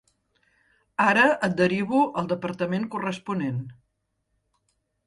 Ara et derivo al departament corresponent.